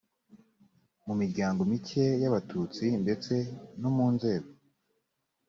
mu miryango mike y abatutsi ndetse no mu nzego